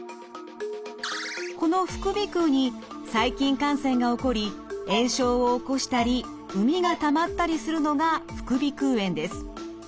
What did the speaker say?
この副鼻腔に細菌感染が起こり炎症を起こしたり膿がたまったりするのが副鼻腔炎です。